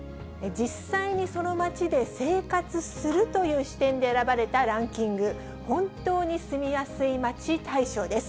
実際にその街で生活するという視点で選ばれたランキング、本当に住みやすい街大賞です。